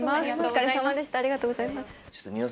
ありがとうございます。